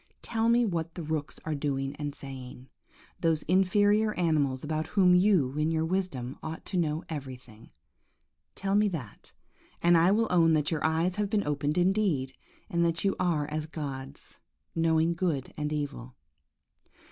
Tell me what the rooks are doing and saying; those inferior animals about whom you, in your wisdom, ought to know everything. Tell me that, and I will own that your eyes have been opened indeed, and that you are as gods, knowing good and evil.